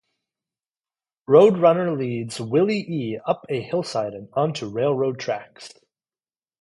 Road Runner leads Wile E. up a hillside and onto railroad tracks.